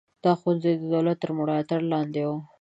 دا ښوونځي د دولت تر ملاتړ لاندې وو.